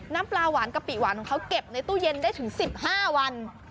น้ำปลาหวานกะปิหวานของเขาเก็บในตู้เย็นได้ถึง๑๕วัน